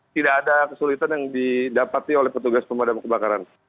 tidak ada kesulitan yang didapati oleh petugas pemadam kebakaran